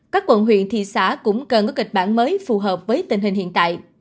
các quận huyện thị xã cũng cần có kịch bản mới phù hợp với tình hình hiện tại